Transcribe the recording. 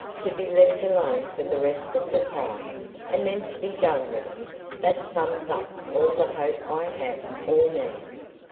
To be let alone for the rest of the time, and then to be done with it that sums up all the hope I have, or need."